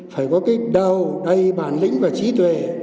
phải có cái đầu đầy bản lĩnh và trí tuệ